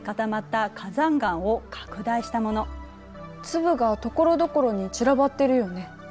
粒がところどころに散らばってるよね。